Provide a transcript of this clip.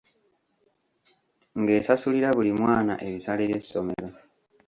Ng'esasulira buli mwana ebisale by'essomero.